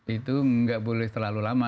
itu nggak boleh terlalu lama